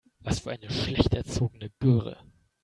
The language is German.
Was für eine schlecht erzogene Göre.